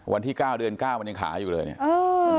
วันที่๙เดือน๙มันยังขายอยู่เลยเนี่ย